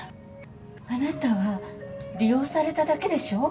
あなたは利用されただけでしょう？